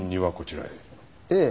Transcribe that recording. ええ。